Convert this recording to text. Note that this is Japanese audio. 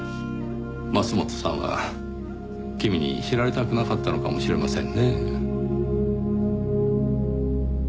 桝本さんは君に知られたくなかったのかもしれませんねぇ。